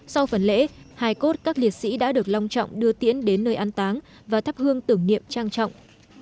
sau phần lễ hai cốt các liệt sĩ đã được long trọng đưa tiễn đến nơi an táng và thắp hương tưởng niệm trang trọng